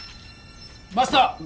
マスター。